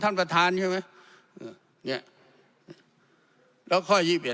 ท่านประธานใช่ไหมเนี่ย